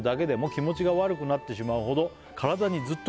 「気持ちが悪くなってしまうほど体にずっと刻まれた」